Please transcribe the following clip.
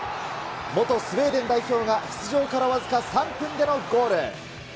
元スウェーデン代表が、出場からわずか３分でのゴール。